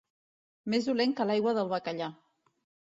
Més dolent que l'aigua del bacallà.